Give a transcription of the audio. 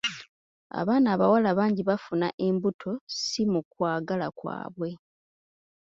Abaana abawala bangi bafuna embuto si mu kwagala kwabwe.